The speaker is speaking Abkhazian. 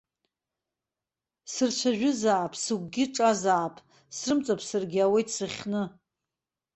Сырцәажәызаап, сыгәгьы ҿазаап, срымҵаԥсаргьы ауеит сыхьны.